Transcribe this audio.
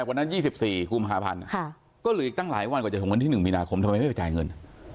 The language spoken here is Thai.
วันนั้น๒๔กุมภาพันธ์ก็เหลืออีกตั้งหลายวันกว่าจะถึงวันที่๑มีนาคมทำไมไม่ไปจ่ายเงิน